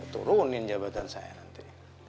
turunin jabatan saya nanti